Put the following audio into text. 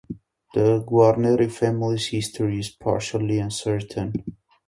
The Guarneri family's history is partially uncertain.